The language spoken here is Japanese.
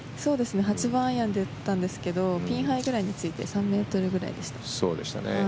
８番アイアンで打ったんですけどピンハイぐらいについてそうでしたね。